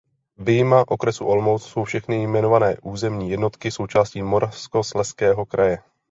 Vyjma okresu Olomouc jsou všechny jmenované územní jednotky součástí Moravskoslezského kraje.